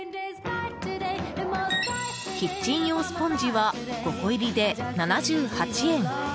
キッチン用スポンジは５個入りで７８円。